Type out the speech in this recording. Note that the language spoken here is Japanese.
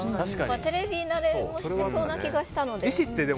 テレビ慣れもしてそうな気がしたので。